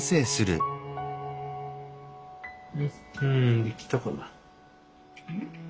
うんできたかな。